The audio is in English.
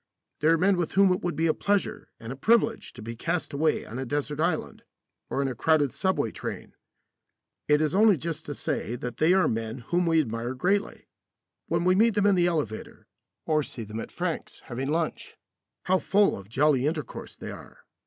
They are men with whom it would be a pleasure and a privilege to be cast away on a desert island or in a crowded subway train. It is only just to say that they are men whom we admire greatly. When we meet them in the elevator, or see them at Frank's having lunch, how full of jolly intercourse they are.